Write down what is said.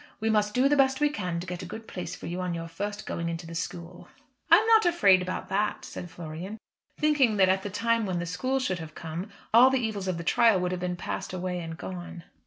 We must do the best we can to get a good place for you on your first going into the school." "I am not afraid about that," said Florian, thinking that at the time when the school should have come all the evils of the trials would have been passed away and gone.